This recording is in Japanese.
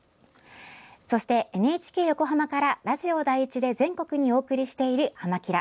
そして、ＮＨＫ横浜からラジオ第１で全国にお送りしている「はま☆キラ！」。